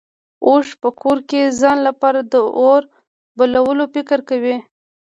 اوښ په کور کې ځان لپاره د اور بلولو فکر کوي.